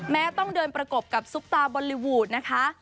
ต้องเดินประกบกับซุปตาบอลลีวูดนะคะ